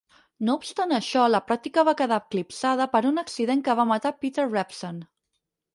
No obstant això, la pràctica va quedar eclipsada per un accident que va matar Peter Revson.